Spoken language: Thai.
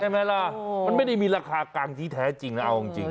ไหมล่ะมันไม่ได้มีราคากังที่แท้จริงนะเอาจริง